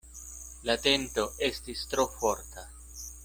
La tento estis tro forta.